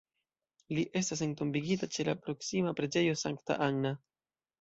Li estas entombigita ĉe la proksima Preĝejo Sankta Anna.